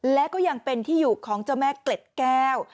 และก็ยังเป็นที่อยู่ของเจ้าแม่เกล็ดแก้ว